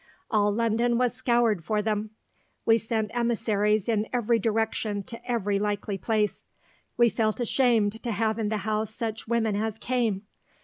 All London was scoured for them. We sent emissaries in every direction to every likely place.... We felt ashamed to have in the house such women as came.